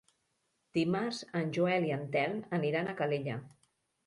Dimarts en Joel i en Telm aniran a Calella.